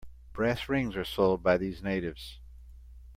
Brass rings are sold by these natives.